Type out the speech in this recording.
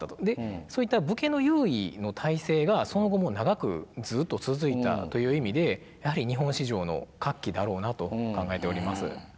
でそういった武家の優位の体制がその後も長くずっと続いたという意味でやはり日本史上の画期だろうなと考えております。